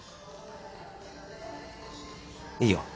いいよ。